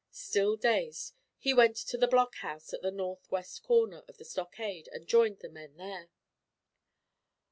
Still dazed, he went to the blockhouse at the north west corner of the stockade and joined the men there.